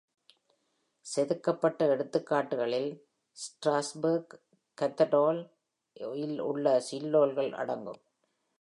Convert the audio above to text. செதுக்கப்பட்ட எடுத்துக்காட்டுகளில் Strasbourg Cathedral இல் உள்ள சிட்டோல்கள் அடங்கும்.